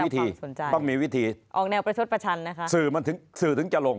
ต้องมีวิธีออกแนวประชดประชันนะคะสื่อมันถึงสื่อถึงจะลง